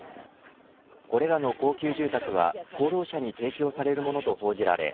これらの高級住宅は功労者に提供されるものと報じられ